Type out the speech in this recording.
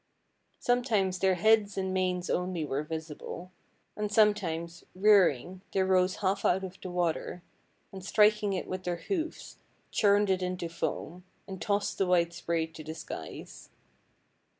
Sometimes their heads and manes only were visible, and sometimes, rearing, they rose half out of the water, and, striking it with their hoofs, churned it into foam, and tossed the white spray to the skies.